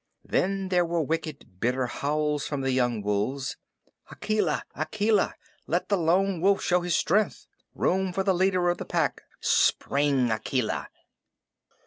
Then there were wicked, bitter howls from the young wolves: "Akela! Akela! Let the Lone Wolf show his strength. Room for the leader of the Pack! Spring, Akela!"